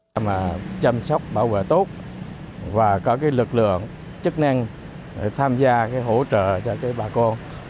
chăm sóc bảo vệ tốt và có lực lượng chức năng tham gia hỗ trợ cho bà cô